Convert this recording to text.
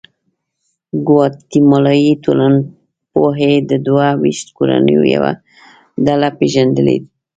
ګواتیمالایي ټولنپوهې د دوه ویشت کورنیو یوه ډله پېژندلې.